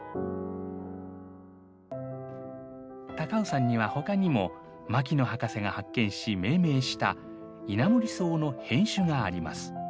高尾山にはほかにも牧野博士が発見し命名したイナモリソウの変種があります。